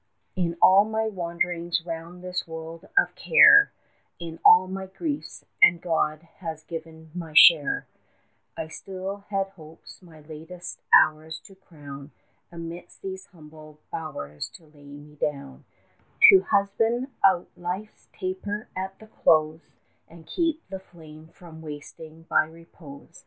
10 In all my wanderings round this world of care, In all my griefs and God has given my share still had hopes my latest hours to crown, Amidst these humble bowers to lay me down; To husband out life's taper at the close, 15 And keep the flame from wasting by repose.